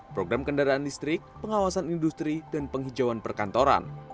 program kendaraan listrik pengawasan industri dan penghijauan perkantoran